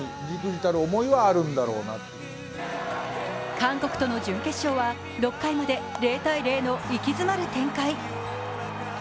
韓国との準決勝は６回まで０−０の息詰まる展開。